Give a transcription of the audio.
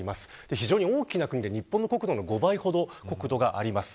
非常に大きな国で、日本の国土の５倍ほど、国土があります。